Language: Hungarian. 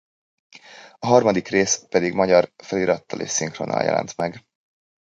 A harmadik rész pedig magyar felirattal és szinkronnal jelent meg.